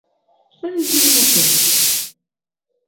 Mindi mutu.